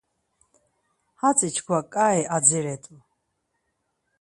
Hatzi çkva ǩai adziret̆u.